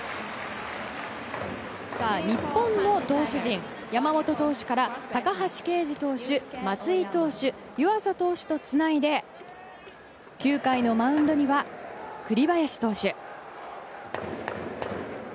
さあ日本の投手陣、山本投手から高橋奎二投手、松井投手湯浅投手とつないで９回のマウンドには栗林投手。